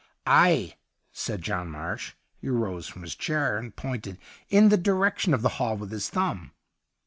' Ay/ said John Marsh. He rose from his chair, and pointed in the direction of the Hall with his thumb.